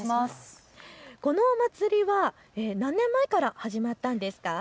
このお祭りは何年前から始まったんですか。